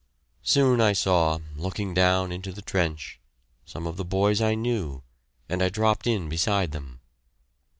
Soon I saw, looking down into the trench, some of the boys I knew, and I dropped in beside them.